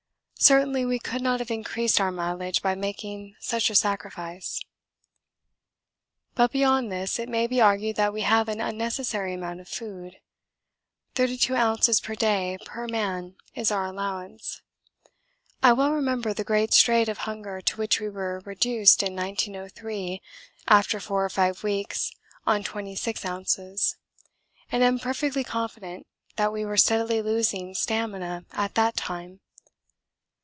Certainly we could not have increased our mileage by making such a sacrifice. But beyond this it may be argued that we have an unnecessary amount of food: 32 oz. per day per man is our allowance. I well remember the great strait of hunger to which we were reduced in 1903 after four or five weeks on 26 oz., and am perfectly confident that we were steadily losing stamina at that time.